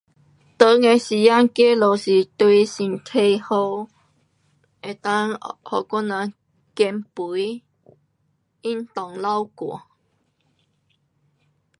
时间是给我们好，给我们减肥运动流汗。